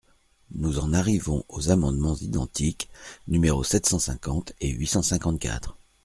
Nous en arrivons aux amendements identiques, numéros sept cent cinquante et huit cent cinquante-quatre.